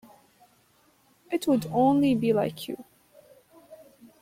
It would only be like you.